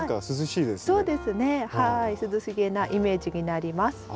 涼しげなイメージになります。